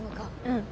うん。